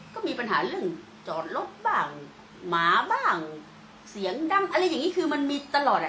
ก็มีปัญหาเรื่องจอดรถบ้างหมาบ้างเสียงดังอะไรอย่างนี้คือมันมีตลอดอ่ะ